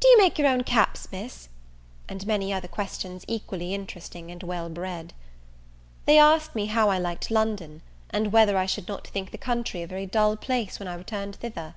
Do you make your own caps, Miss?" and many other questions equally interesting and well bred. Then they asked me how I liked London? and whether I should not think the country a very dull place, when I returned thither?